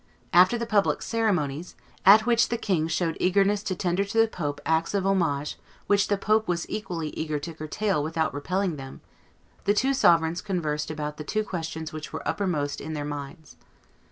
After the public ceremonies, at which the king showed eagerness to tender to the pope acts of homage which the pope was equally eager to curtail without repelling them, the two sovereigns conversed about the two questions which were uppermost in their minds.